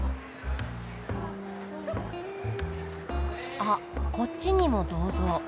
あっこっちにも銅像。